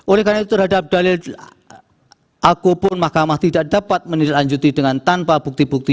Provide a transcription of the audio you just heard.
oleh karena itu terhadap dalil aku pun mahkamah tidak dapat menindaklanjuti dengan tanpa bukti bukti